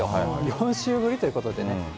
４週ぶりということでね。